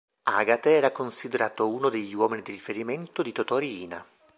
Agate era considerato uno degli uomini di riferimento di Totò Riina.